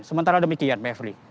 sementara demikian firly